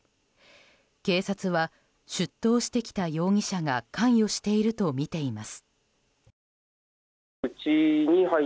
警察は、出頭してきた容疑者が関与しているとみています。